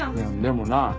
でもな。